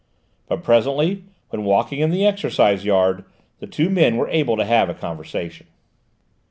But presently, when walking in the exercise yard, the two men were able to have a conversation.